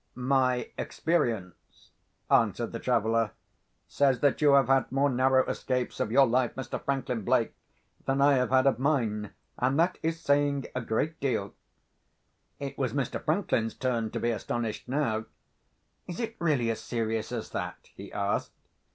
"My experience," answered the traveller, "says that you have had more narrow escapes of your life, Mr. Franklin Blake, than I have had of mine; and that is saying a great deal." It was Mr. Franklin's turn to be astonished now. "Is it really as serious as that?" he asked.